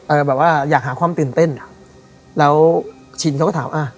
แบบว่าอยากหาความตื่นเต้นอ่ะแล้วชินเขาก็ถามอ่ะ